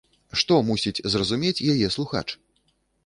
Што мусіць зразумець яе слухач?